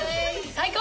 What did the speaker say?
最高！